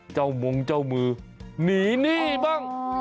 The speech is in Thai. มงเจ้ามือหนีหนี้บ้าง